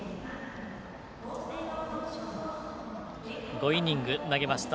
５イニング投げました